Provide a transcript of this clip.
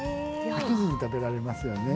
飽きずに食べられますよね。